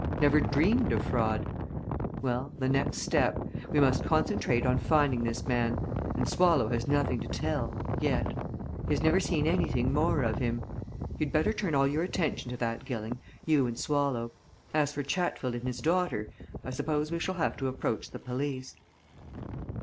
never dreamed of fraud: Well the next step. We must concentrate on finding this man. And Swallow has nothing to tell yet. He has never seen anything more of him. You'd better turn all your attention to that, Gilling you and Swallow. As for Chatfield and his daughter, I suppose we shall have to approach the police."